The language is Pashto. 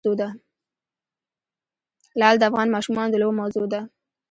لعل د افغان ماشومانو د لوبو موضوع ده.